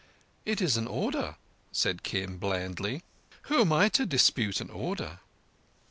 "It is an order," said Kim blandly. "Who am I to dispute an order?"